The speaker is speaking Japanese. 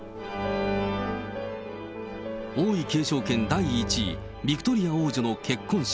王位継承権第１位、ビクトリア王女の結婚式。